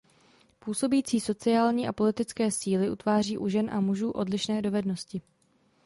Působící sociální a politické síly utváří u žen a mužů odlišné dovednosti.